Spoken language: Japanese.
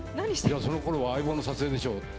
その頃は「相棒」の撮影でしょって。